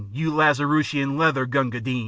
You Lazarushian leather Gunga Din!